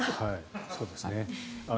そうですね。